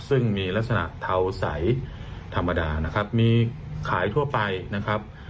ซึ่งมีลักษณะเทาใสธรรมดานะครับมีขายทั่วไปนะครับ